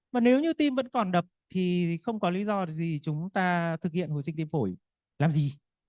mà nếu như tim vẫn còn đập thì không có lý do gì chúng ta thực hiện hồi dịch tim phổi làm gì